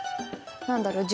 何だろう。